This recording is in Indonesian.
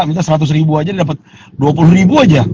minta seratus ribu aja dia dapet dua puluh ribu aja